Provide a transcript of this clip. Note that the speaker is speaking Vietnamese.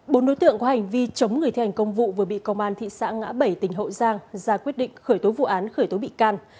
bốn đối tượng có hành vi chống người thi hành công vụ vừa bị công an thị xã ngã bảy tỉnh hậu giang ra quyết định khởi tố vụ án khởi tố bị can